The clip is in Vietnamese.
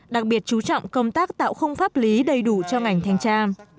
đặc biệt chú trọng công tác tạo khung pháp lý đầy đủ cho ngành thanh tra